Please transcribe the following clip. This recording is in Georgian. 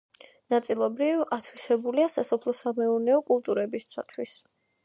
ნაწილობრივ ათვისებულია სასოფლო-სამეურნეო კულტურებისათვის.